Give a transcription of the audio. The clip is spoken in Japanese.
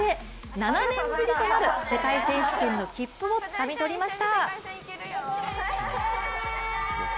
７年ぶりとなる世界選手権の切符をつかみとりました。